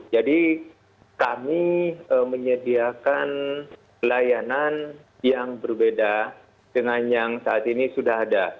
jadi kami menyediakan layanan yang berbeda dengan yang saat ini sudah ada